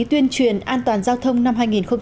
tuyên truyền an toàn giao thông năm hai nghìn một mươi sáu